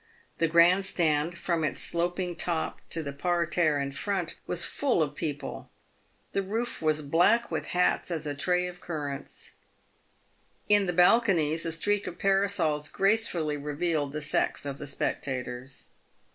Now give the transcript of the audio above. The grand stand, from its sloping top to the parterre in front, was full of people. The roof was black with hats as a tray of currants. In the balconies a streak of parasols gracefully revealed the sex of the spec tators.